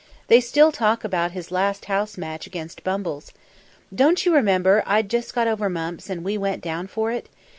They still talk about his last house match against Bumbles. Don't you remember I'd just got over mumps and we went down for it?